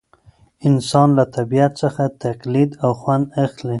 انسان له طبیعت څخه تقلید او خوند اخلي.